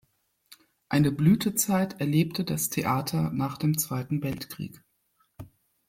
Eine Blütezeit erlebte das Theater nach dem Zweiten Weltkrieg.